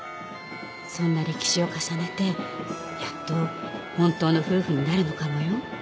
そんな歴史を重ねてやっと本当の夫婦になるのかもよ。